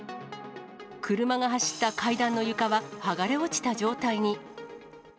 車が走った階段の床は、剥がれ落ちた状態に。